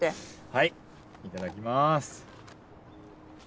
はいいただきます。